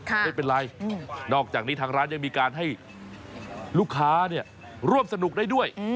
ไม่เป็นไรนอกจากนี้ทางร้านยังมีการให้ลูกค้าเนี่ยร่วมสนุกได้ด้วย